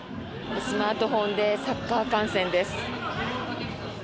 スマートフォンでサッカー観戦です。